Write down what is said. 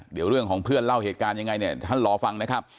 เดี๋ยวเรื่องของเพื่อนเล่าเหตุการณ์ยังไงเนี่ยท่านรอฟังนะครับ